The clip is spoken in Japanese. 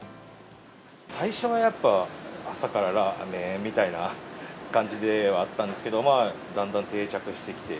最初はやっぱ、朝からラーメン？みたいな感じではあったんですけど、まあ、だんだん定着してきて。